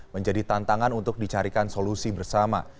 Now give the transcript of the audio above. menjadi tantangan untuk dicarikan solusi bersama